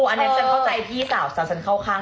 อันนี้ฉันเข้าใจที่สาวสาวฉันเข้าข้างที่สาว